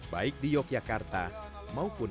baik di yogyakarta maupun di lombok